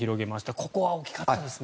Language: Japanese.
ここは大きかったですね。